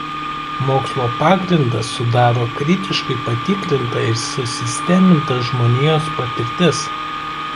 Mokslo pagrindą sudaro kritiškai patikrinta ir susisteminta žmonijos patirtis.